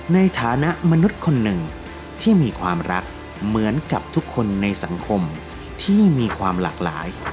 ในฐานะมนุษย์คนหนึ่งที่มีความรักเหมือนกับทุกคนในสังคมที่มีความหลากหลาย